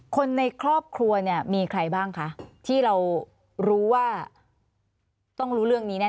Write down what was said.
คนในครอบครัวเนี่ยมีใครบ้างคะที่เรารู้ว่าต้องรู้เรื่องนี้แน่